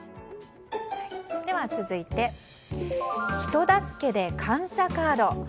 では続いて人助けで感謝カード。